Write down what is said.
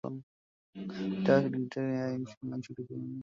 Alitawala kidikteta ilhali uchumi wa nchi uliporomoka